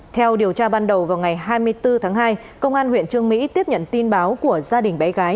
theo điều tra ban đầu vào ngày hai mươi bốn tháng hai công an huyện trương mỹ tiếp nhận tin báo của gia đình bé gái